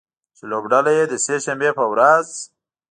چې لوبډله یې د سې شنبې په ورځ